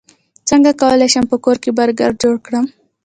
څنګه کولی شم په کور کې برګر جوړ کړم